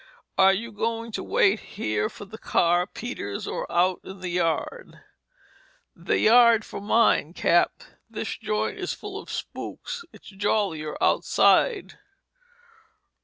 "Are you going to wait here for the car, Peters, or out in the yard?" "The yard for mine, Cap. This joint is full o' spooks. It's jollier outside."